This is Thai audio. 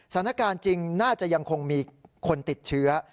สถานการณ์จริงน่าจะยังคงมีคนติดเชื้อ